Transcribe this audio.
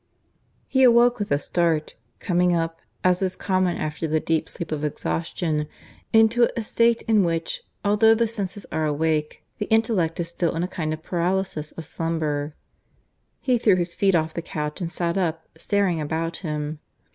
(V) He awoke with a start, coming up, as is common after the deep sleep of exhaustion, into a state in which, although the senses are awake, the intellect is still in a kind of paralysis of slumber. He threw his feet off the couch and sat up, staring about him.